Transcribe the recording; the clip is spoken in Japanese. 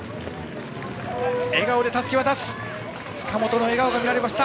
笑顔でたすきを渡した。